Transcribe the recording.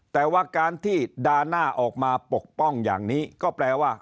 แต่ว่าการที่ด่าหน้าออกมาปกป้องอย่างนี้ก็แปลว่า